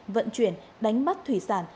vận chuyển đánh bắt thủy sản